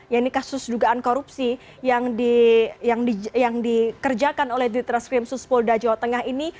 yakni kasus dugaan korupsi yang dikerjakan oleh ditres krimsus polda jawa tengah ini